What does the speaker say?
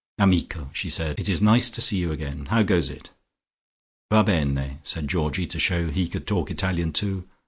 "Amico!" she said. "It is nice to see you again. How goes it?" "Va bene," said Georgie to show he could talk Italian too.